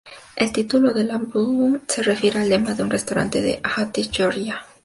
El título del álbum se refiere al lema de un restaurante de Athens, Georgia.